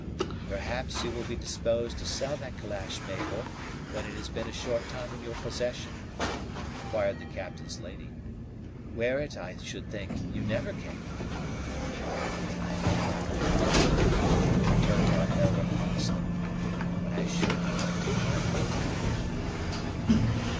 "Perhaps you will be disposed to sell that calash, Mabel, when it has been a short time in your possession?" inquired the captain's lady. "Wear it, I should think, you never can." "I may not wear it, madam," returned our heroine modestly; "but I should not like to part with it either."